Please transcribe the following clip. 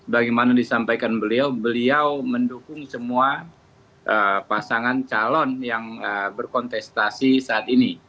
bagaimana disampaikan beliau beliau mendukung semua pasangan calon yang berkontestasi saat ini